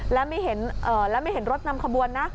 และไม่เห็นรถนำขบวนนะ